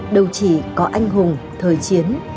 đâu chỉ có anh hùng thời chiến